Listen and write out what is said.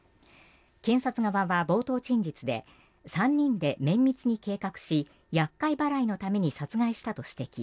検察側は冒頭陳述で３人で綿密に計画し厄介払いのために殺害したと指摘。